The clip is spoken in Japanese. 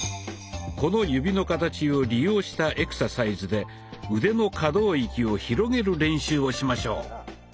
この指の形を利用したエクササイズで腕の可動域を広げる練習をしましょう。